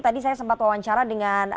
tadi saya sempat wawancara dengan